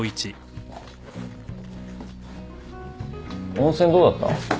温泉どうだった？